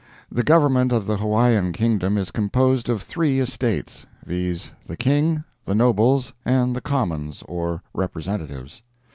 The Government of the Hawaiian Kingdom is composed of three estates, viz.: The King, the Nobles and the Commons or Representatives.